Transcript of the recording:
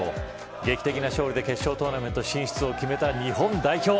劇的な勝利で決勝トーナメント進出を決めた日本代表。